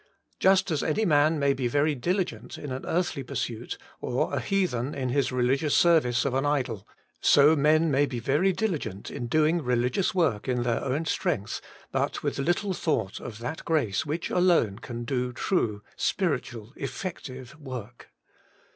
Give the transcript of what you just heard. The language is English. Just as any man may be very dili gent in an earthly pursuit, or a heathen in his religious service of an idol, so men may be very diligent in doing religious work in their own strength, with but little thought of that grace which alone can do true, spiritual efifective work.